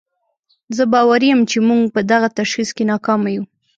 زه باوري یم چې موږ په دغه تشخیص کې ناکامه یو.